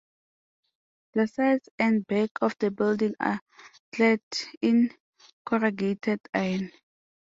The sides and back of the building are clad in corrugated iron.